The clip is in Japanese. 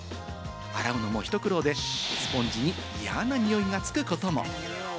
洗うのもひと苦労でスポンジに嫌な臭いがつくことも。